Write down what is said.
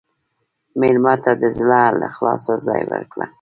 مېلمه ته د زړه له اخلاصه ځای ورکړه.